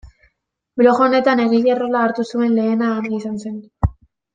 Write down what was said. Blog honetan egile rola hartu zuen lehena Ana izan zen.